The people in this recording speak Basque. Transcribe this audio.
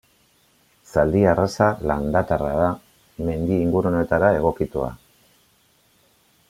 Zaldi arraza landatarra da, mendi inguruetara egokitua.